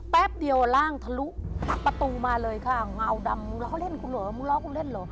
แป๊บเดียวร่างทะลุประตูมาเลยค่ะเงาดำมึงล้อเล่นกูเหรอมึงล้อกูเล่นเหรอ